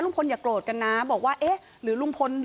๖ลุงพลแม่ตะเคียนเข้าสิงหรือเปล่า